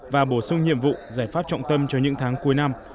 và bổ sung nhiệm vụ giải pháp trọng tâm cho những tháng cuối năm